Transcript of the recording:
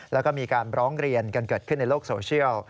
แล้วก็มีการร้องเรียนกันเกิดขึ้นในโลกโซเชียล